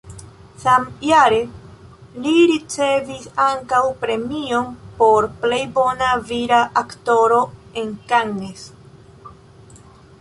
Samjare li ricevis ankaŭ premion por plej bona vira aktoro en Cannes.